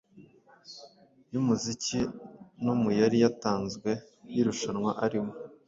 y'umuziki no mu yari yatanzwe y'irushanwa arimo